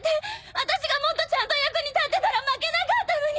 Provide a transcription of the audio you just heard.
あたしがもっとちゃんと役に立ってたら負けなかったのに。